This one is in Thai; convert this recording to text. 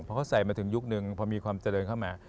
พอเขาใส่มาถึงยุคนึงพอมีความเจริญเข้ามา